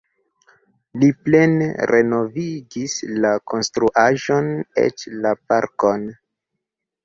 Li plene renovigis la konstruaĵon eĉ la parkon.